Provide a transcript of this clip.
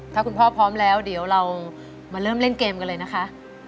ถ้าคุณพ่อพร้อมแล้วเดี๋ยวเรามาเริ่มเล่นเกมกันเลยนะคะ